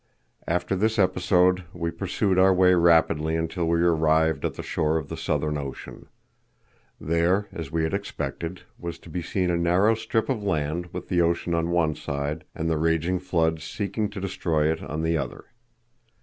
After this episode we pursued our way rapidly until we arrived at the shore of the Southern Ocean. There, as we had expected, was to be seen a narrow strip of land with the ocean on one side and the raging flood seeking to destroy it on the other.